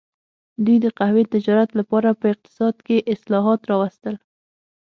دوی د قهوې تجارت لپاره په اقتصاد کې اصلاحات راوستل.